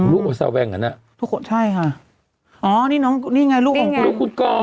ลูกลูกบาน์ไอนี่ไงลูกของคุณกอร์ม